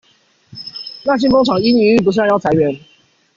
那間工廠因營運不善要裁員